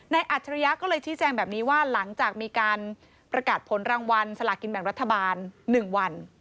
อัจฉริยะก็เลยชี้แจงแบบนี้ว่าหลังจากมีการประกาศผลรางวัลสลากินแบ่งรัฐบาล๑วัน